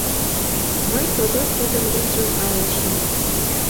Мый содор тудын вержым айлышым.